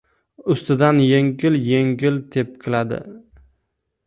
Ustidan yengil-engil tepkiladi.